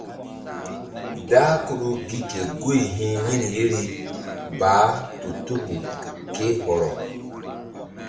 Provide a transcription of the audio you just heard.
Dah Kudu gi ke guy hi̧ yin yeri baah tu tuku ké hɔrɔ.